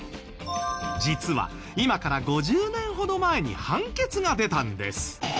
実は今から５０年ほど前に判決が出たんです。